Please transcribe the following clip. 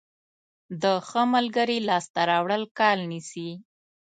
د ښه ملګري لاسته راوړل کال نیسي.